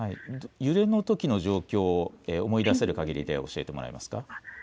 揺れのときの状況、思い出せるかぎりで教えてもらえますか。